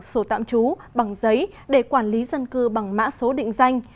số tạm trú bằng giấy để quản lý dân cư bằng mã số định danh